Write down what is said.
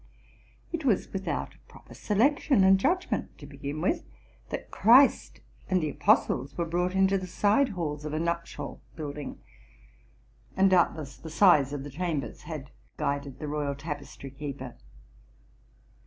It was without proper selection and judgment, to begin with, that Christ and the apostles were brought into the side halls of a nuptial build ing; and doubtless the size of the chambers had guided the royal tapestry keeper.